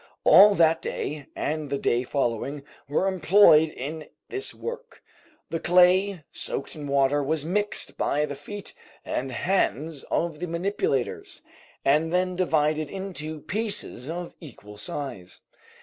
All that day and the day following were employed in this work. The clay, soaked in water, was mixed by the feet and hands of the manipulators, and then divided into pieces of equal size.